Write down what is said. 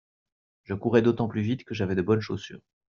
Je courrais d'autant plus vite que j'avais de bonnes chaussures.